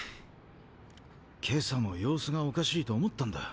今朝も様子がおかしいと思ったんだ。